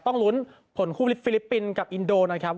ต้องลุ้นผลคู่ลิฟฟิลิปปินส์กับอินโดนะครับ